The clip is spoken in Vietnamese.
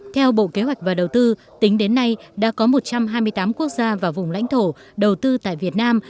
theo bộ kế hoạch và đầu tư tính đến nay đã có một trăm hai mươi tám quốc gia và vùng lãnh thổ đầu tư tại việt nam